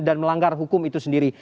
dan melanggar hukum itu sendiri